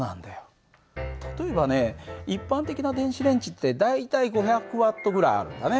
例えばね一般的な電子レンジって大体５００Ｗぐらいあるんだね。